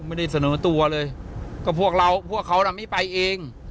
ไม่ได้เสนอตัวเลยก็พวกเราพวกเขาน่ะไม่ไปเอง